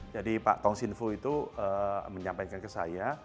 jadi pak tong sinfu itu menyampaikan ke saya